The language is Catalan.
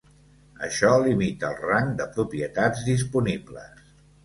Això limita el rang de propietats disponibles.